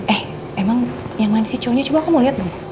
eh emang yang manis si cowoknya coba kamu liat dulu